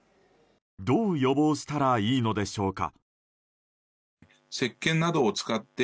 どう予防したらいいのでしょうか。